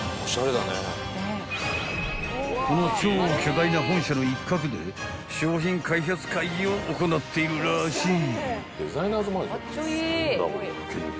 ［この超巨大な本社の一角で商品開発会議を行っているらしい］